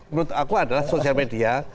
menurut aku adalah sosial media